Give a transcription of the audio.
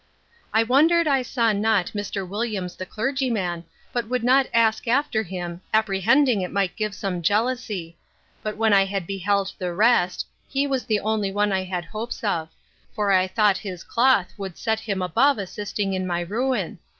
I wondered I saw not Mr. Williams the clergyman, but would not ask after him, apprehending it might give some jealousy; but when I had beheld the rest, he was the only one I had hopes of; for I thought his cloth would set him above assisting in my ruin.